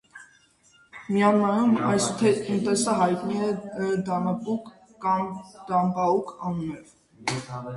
Մյանմայում այս ուտեստը հայտնի է դանպաուկ կամ դանբաուկ անուններով։